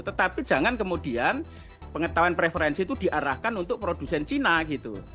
tetapi jangan kemudian pengetahuan preferensi itu diarahkan untuk produsen cina gitu